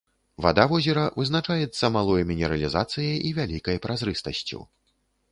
Вада возера вызначаецца малой мінералізацыяй і вялікай празрыстасцю.